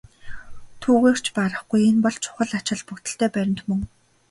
Түүгээр ч барахгүй энэ бол чухал ач холбогдолтой баримт мөн.